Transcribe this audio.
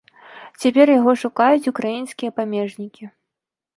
Цяпер яго шукаюць украінскія памежнікі.